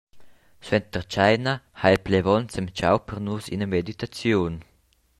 Suenter tscheina ha il plevon semtgau per nus ina meditaziun.